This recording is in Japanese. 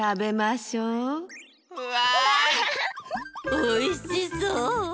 おいしそう。